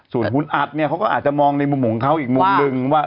ส่วนคุณอัดเนี่ยเขาก็อาจจะมองในมุมของเขาอีกมุมหนึ่งว่า